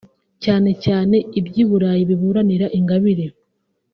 cyane cyane iby’i Burayi biburanira Ingabire